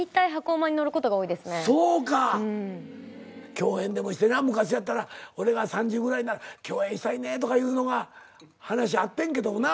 共演でもしてな昔やったら俺が３０ぐらいなら共演したいねとかいうのが話あってんけどもな。